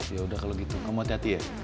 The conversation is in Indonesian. yaudah kalau gitu kamu hati hati ya